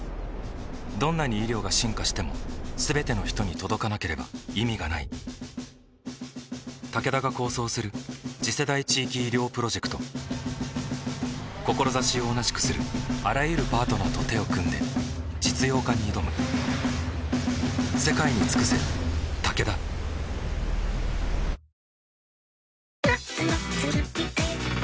どんなに医療が進化しても全ての人に届かなければ意味がないタケダが構想する次世代地域医療プロジェクト志を同じくするあらゆるパートナーと手を組んで実用化に挑むあ